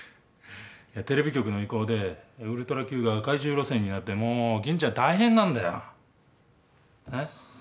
テレビ局の意向で「ウルトラＱ」が怪獣路線になってもう金ちゃん大変なんだよ。ね？